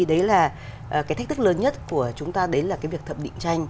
đấy là cái thách thức lớn nhất của chúng ta đấy là cái việc thẩm định tranh